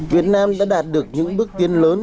việt nam đã đạt được những bước tiến lớn